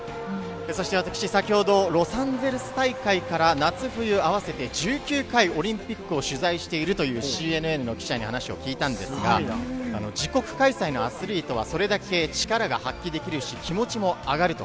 そして私、先ほどロサンゼルス大会から夏冬合わせて１９回、オリンピックを取材しているというＣＮＮの記者に話を聞いたんですが、自国開催のアスリートは、それだけ力が発揮できるし、気持ちも上がると。